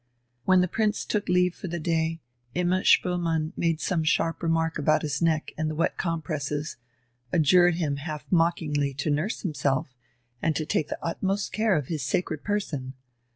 When the Prince took leave for the day, Imma Spoelmann made some sharp remark about his neck and the wet compresses, adjured him half mockingly to nurse himself and to take the utmost care of his sacred person.